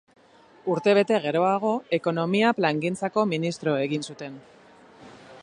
Urtebete geroago, Ekonomia Plangintzako ministro egin zuten.